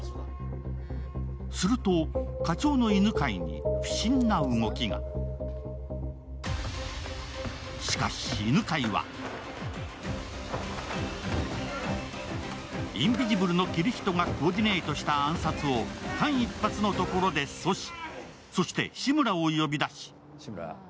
すると、課長の犬飼に不審な動きがしかし犬飼はインビジブルのキリヒトがコーディネートした暗殺を間一髪のところで阻止。